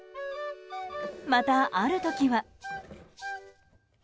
またある時は。